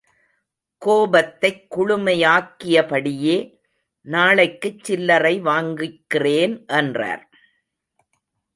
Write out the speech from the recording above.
கோபத்தைக் குளுமையாக்கியபடியே, நாளைக்குச் சில்லறை வாங்கிக்கிறேன் என்றார்.